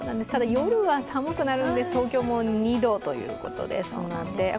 ただ、夜は寒くなるんです、東京も２度ということですので。